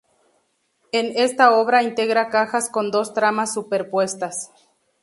En esta obra integra cajas con dos tramas superpuestas.